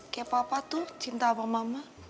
kayak papa tuh cinta sama mama